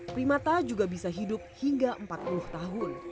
primata juga bisa hidup hingga empat puluh tahun